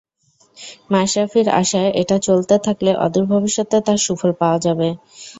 মাশরাফির আশা, এটা চলতে থাকলে অদূর ভবিষ্যতে তার সুফল পাওয়া যাবে।